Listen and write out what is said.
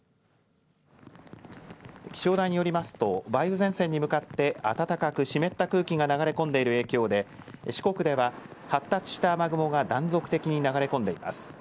気象台によりますと梅雨前線に向かって暖かく湿った空気が流れ込んでいる影響で四国では発達した雨雲が断続的に流れ込んでいます。